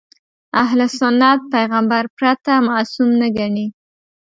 اهل سنت پیغمبر پرته معصوم نه ګڼي.